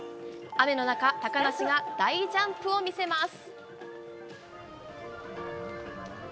雨の中、高梨が大ジャンプを見せます。